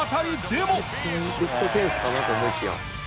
普通にレフトフェンスかなと思いきや。